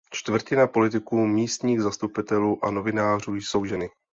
Čtvrtina politiků, místních zastupitelů a novinářů jsou ženy.